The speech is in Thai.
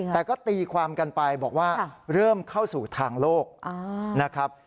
แต่ก็ตีความกันไปบอกว่าเริ่มเข้าสู่ทางโลกนะครับ